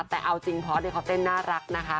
แต่เอาจริงพอสเขาเต้นน่ารักนะคะ